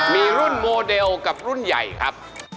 มีรุ่นโมเดลกับรุ่นใหญ่ครับ